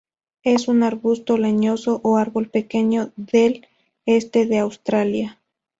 Es un arbusto leñoso o árbol pequeño del este de Australia.